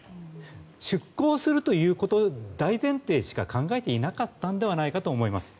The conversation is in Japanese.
出航するということを大前提としか考えていなかったのではないかと思います。